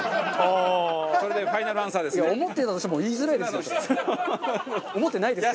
それでファイナルアンサーですね？